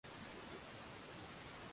Maji yanatiririka .